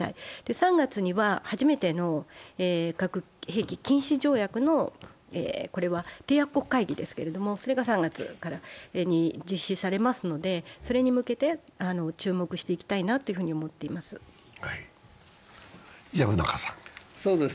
３月には初めての核兵器禁止条約の締約国会議ですけれども、３月に実施されますので、それに向けて注目していきたいなと思っています。